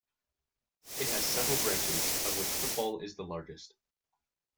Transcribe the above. It has several branches, of which football is the largest.